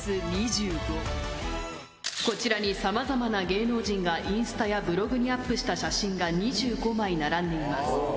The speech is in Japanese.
こちらにさまざまな芸能人がインスタやブログにアップした写真が２５枚並んでいます。